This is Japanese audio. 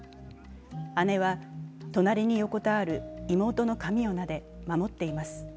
姉は隣に横たわる妹の髪をなで、守っています。